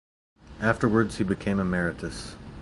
Afterwards he became emeritus.